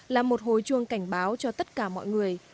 là một hồi chuông cảnh báo cho tất cả mọi người